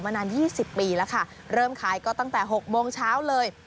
มานานยี่สิบปีแล้วค่ะเริ่มขายก็ตั้งแต่หกโมงเช้าเลย